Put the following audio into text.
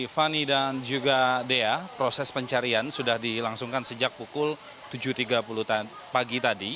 fani dan juga dea proses pencarian sudah dilangsungkan sejak pukul tujuh tiga puluh pagi tadi